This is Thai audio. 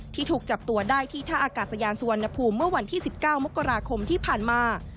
ถูกจับตัวได้ที่ท่าอากาศยานสุวรรณภูมิเมื่อวันที่๑๙มกราคมที่ผ่านมา